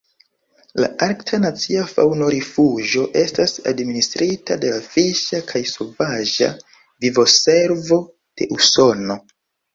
La Arkta Nacia Faŭno-Rifuĝo estas administrita de la Fiŝa kaj Sovaĝa Vivo-Servo de Usono.